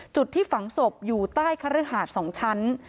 จุดที่ฝังศพอยู่ใต้คฤหาด๒ชั้น